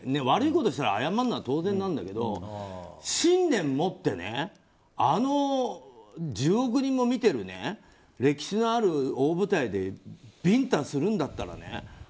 悪いことしたら謝るのは当然なんだけど信念を持ってあの１０億人も見てる歴史のある大舞台でビンタするんだったらね